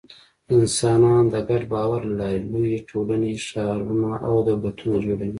انسانان د ګډ باور له لارې لویې ټولنې، ښارونه او دولتونه جوړوي.